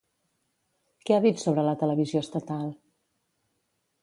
Què ha dit sobre la televisió estatal?